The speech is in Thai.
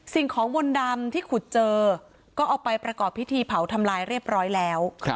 สิ่งของมนต์ดำที่ขุดเจอก็เอาไปประกอบพิธีเผาทำลายเรียบร้อยแล้ว